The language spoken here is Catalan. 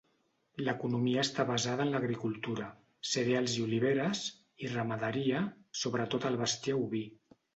L’economia està basada en l'agricultura: cereals i oliveres; i ramaderia, sobretot el bestiar oví.